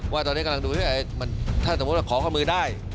ว่าตอนนี้กำลังดูถ้าสมมุติว่าขอข้อมือได้